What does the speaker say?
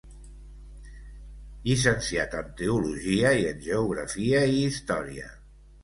Llicenciat en teologia i en geografia i història.